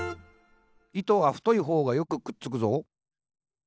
「糸は、太いほうがよくくっつくぞ。」